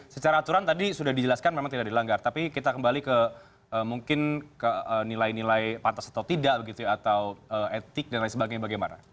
secara aturan tadi sudah dijelaskan memang tidak dilanggar tapi kita kembali ke mungkin ke nilai nilai pantas atau tidak begitu ya atau etik dan lain sebagainya bagaimana